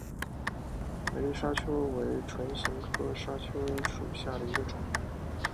美丽沙穗为唇形科沙穗属下的一个种。